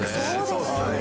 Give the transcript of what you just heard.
そうですね。